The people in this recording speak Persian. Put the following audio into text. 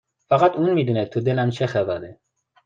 فقط اون میدونه تو دلم چه خبره